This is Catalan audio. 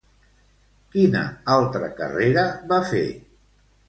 Quina altra carrera va fer?